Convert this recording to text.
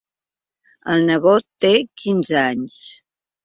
El nebot té quinze anys.